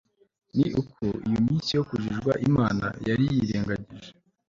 ni uko iyo minsi yo kujijwa imana yarayirengagije